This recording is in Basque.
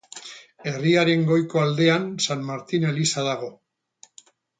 Herriaren goiko aldean San Martin eliza dago.